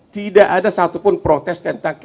tidak ada satupun protes tentang